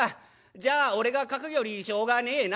じゃあ俺が書くよりしょうがねえな」。